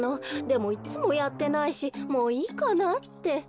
でもいっつもやってないしもういいかなって。